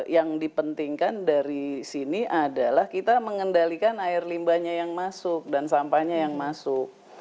yang dipentingkan dari sini adalah kita mengendalikan air limbahnya yang masuk dan sampahnya yang masuk